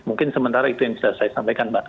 mungkin sementara itu yang bisa saya sampaikan mbak